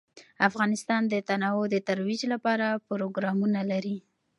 افغانستان د تنوع د ترویج لپاره پروګرامونه لري.